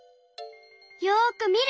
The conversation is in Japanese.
よくみる！